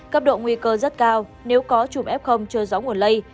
cấp độ nguy cơ rất cao nếu có chùm ép không chơi gió nguồn lây